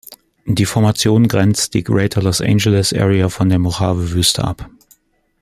Die Formation grenzt die Greater Los Angeles Area von der Mojave-Wüste ab.